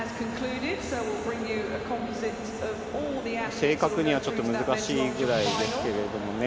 正確にはちょっと難しいぐらいですけどね。